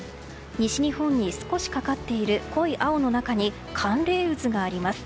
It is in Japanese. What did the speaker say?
西日本に少しかかっている濃い青の中に寒冷渦があります。